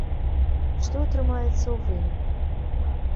Што атрымаецца ў выніку?